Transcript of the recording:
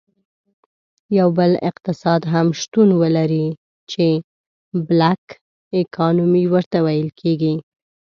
یو بل اقتصاد هم شتون ولري چې Black Economy ورته ویل کیږي.